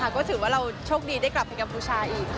ก็ถือว่าเราช่วงดีได้กลับไปกับผู้ชายอีกค่ะ